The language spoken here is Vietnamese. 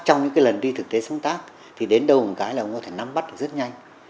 trong những cái lần đi thực tế sáng tác thì đến đâu là một cái là ông có thể nắm bắt được rất nhanh